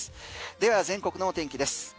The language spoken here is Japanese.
では全国の天気です。